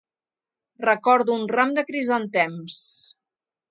Recordo un ram de crisantems.